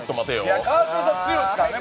いや、川島さん強いっすからね。